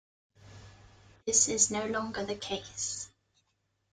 This is no longer the case.